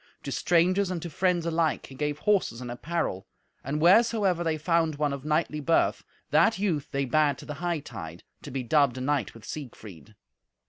To strangers and to friends alike he gave horses and apparel, and wheresoever they found one of knightly birth, that youth they bade to the hightide, to be dubbed a knight with Siegfried.